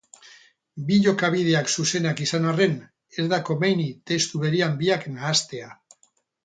Bi jokabideak zuzenak izan arren, ez da komeni testu berean biak nahastea.